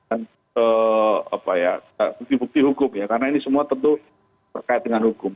apa ya bukti bukti hukum ya karena ini semua tentu terkait dengan hukum